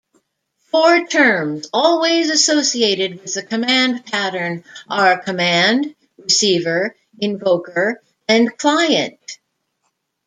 Four terms always associated with the command pattern are "command", "receiver", "invoker" and "client".